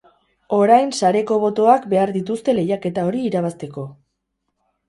Orain sareko botoak behar dituzte lehiaketa hori irabazteko.